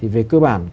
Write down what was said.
về cơ bản